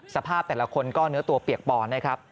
สภาพแต่ละคนก็เนื้อตัวเปียกปอนนะครับ